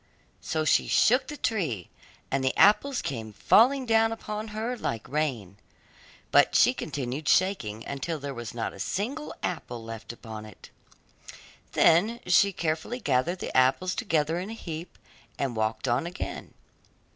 So she shook the tree, and the apples came falling down upon her like rain; but she continued shaking until there was not a single apple left upon it. Then she carefully gathered the apples together in a heap and walked on again.